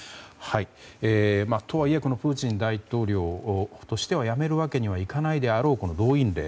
とはいえプーチン大統領としてはやめるわけにはいかないであろうこの動員令。